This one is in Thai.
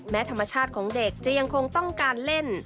ธรรมชาติของเด็กจะยังคงต้องการเล่น